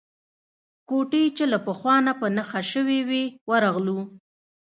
کوټې چې له پخوا نه په نښه شوې وې ورغلو.